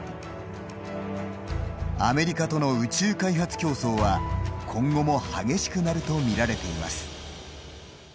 アメリカとの宇宙開発競争は今後も激しくなると見られています。